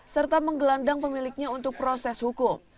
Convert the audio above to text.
serta menggelandang pemiliknya untuk proses hukum